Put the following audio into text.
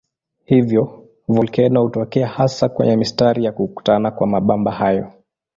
Hivyo volkeno hutokea hasa kwenye mistari ya kukutana kwa mabamba hayo.